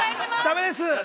◆だめです。